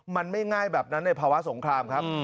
มันไม่ง่ายแบบนั้นในภาวะสงครามครับ